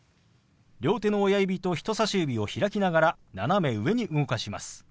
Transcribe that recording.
両手の親指と人さし指を開きながら斜め上に動かします。